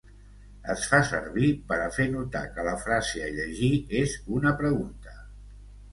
Es fa servir per a fer notar que la frase a llegir és una pregunta.